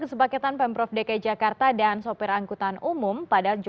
selamat pagi aldi dan lady